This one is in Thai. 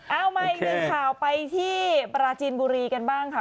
เอามาอีกหนึ่งข่าวไปที่ปราจีนบุรีกันบ้างค่ะ